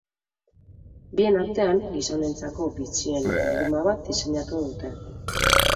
Bien artean, gizonentzako bitxien bilduma bat diseinatu dute.